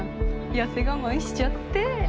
痩せ我慢しちゃって。